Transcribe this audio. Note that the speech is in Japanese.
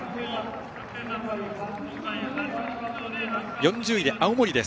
４０位で青森です。